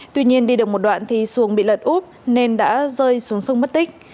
tuy nhiên đi được một đoạn thì xuồng bị lật úp nên đã rơi xuống sông mất tích